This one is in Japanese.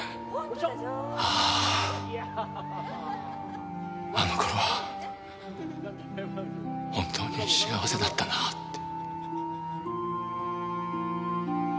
あああの頃は本当に幸せだったなあって。